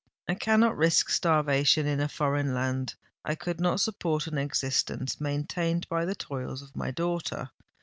I cannot risk starvation in a foreign land—I could not support an existence maintained by the toils of my daughter.